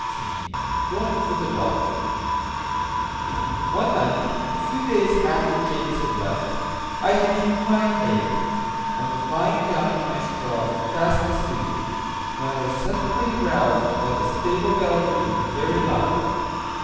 18 Going for the Doctor One night, a few days after James had left, I had eaten my hay and was lying down in my straw fast asleep, when I was suddenly roused by the stable bell ringing very loud.